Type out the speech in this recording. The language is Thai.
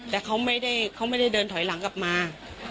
แต่เขาไม่ได้เดินถอยหลังกลับมา